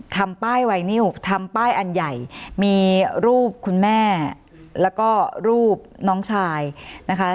ทำป้ายไวนิวทำป้ายอันใหญ่มีรูปคุณแม่แล้วก็รูปน้องชายนะคะ